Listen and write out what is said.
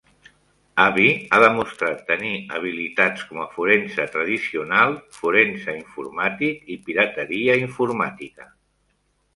Abby ha demostrat tenir habilitats com a forense tradicional, forense informàtic i pirateria informàtica.